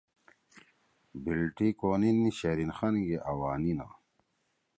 بِلٹی کونیِن شیرین خان گے آوانیِنا